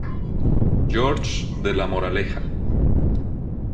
George's de La Moraleja.